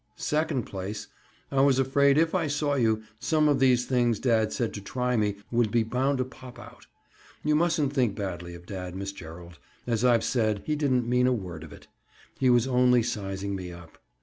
Second place, I was afraid if I saw you, some of these things dad said to try me, would be bound to pop out. You mustn't think badly of dad, Miss Gerald. As I've said, he didn't mean a word of it. He was only sizing me up.